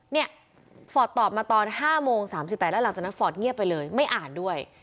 เนี่ยฟอร์ตตอบมาตอน๕โมง๓๘แล้วหลังจากนั้นฟอร์ตเงียบไปเลยไม่อ่านด้วย